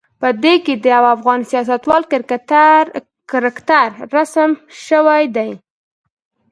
په دې کې د یوه افغان سیاستوال کرکتر رسم شوی دی.